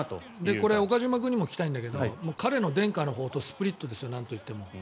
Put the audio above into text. これ、岡島君にも聞きたいんだけど彼の伝家の宝刀スプリットですよなんといっても。